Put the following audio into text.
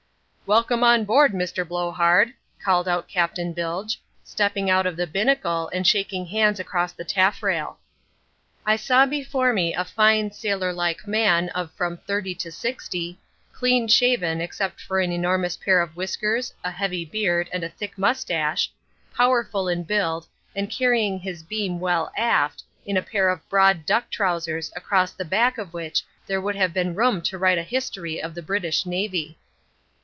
"Welcome on board, Mr. Blowhard," called out Captain Bilge, stepping out of the binnacle and shaking hands across the taffrail. Illustration: "Welcome on board, Mr. Blowhard" I saw before me a fine sailor like man of from thirty to sixty, clean shaven, except for an enormous pair of whiskers, a heavy beard, and a thick moustache, powerful in build, and carrying his beam well aft, in a pair of broad duck trousers across the back of which there would have been room to write a history of the British Navy.